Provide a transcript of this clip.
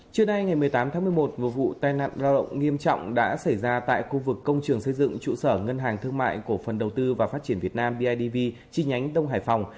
trưa nay ngày một mươi tám tháng một mươi một một vụ tai nạn lao động nghiêm trọng đã xảy ra tại khu vực công trường xây dựng trụ sở ngân hàng thương mại cổ phần đầu tư và phát triển việt nam bidv chi nhánh đông hải phòng